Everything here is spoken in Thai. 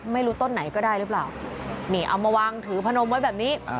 ไม่รู้ต้นไหนก็ได้หรือเปล่านี่เอามาวางถือพนมไว้แบบนี้